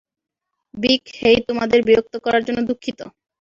ভিক, hey তোমাদের বিরক্ত করার জন্য দুঃখিত।